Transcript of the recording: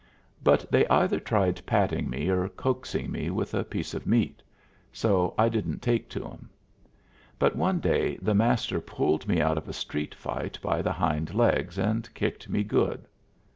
But they either tried patting me or coaxing me with a piece of meat; so I didn't take to 'em. But one day the Master pulled me out of a street fight by the hind legs, and kicked me good.